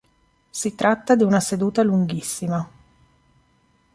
Si tratta di una seduta lunghissima.